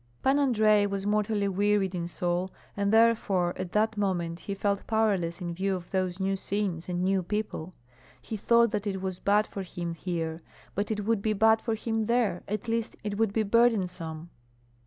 Pan Andrei was mortally wearied in soul, and therefore at that moment he felt powerless in view of those new scenes and new people. He thought that it was bad for him here, that it would be bad for him there, at least it would be burdensome.